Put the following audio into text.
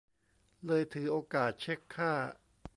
เลยถือโอกาสเช็คค่า